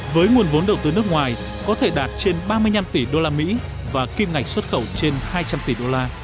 với nguồn vốn đầu tư nước ngoài có thể đạt trên ba mươi năm tỷ usd và kim ngạch xuất khẩu trên hai trăm linh tỷ đô la